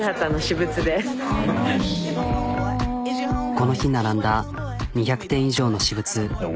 この日並んだ２００点以上の私物。